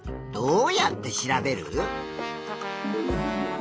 どうやって調べる？